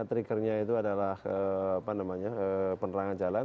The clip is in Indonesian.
trickernya itu adalah penerangan jalan